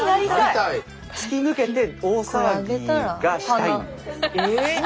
突き抜けて大騒ぎがしたいんです。